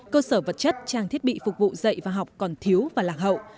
cơ sở vật chất trang thiết bị phục vụ dạy và học còn thiếu và lạc hậu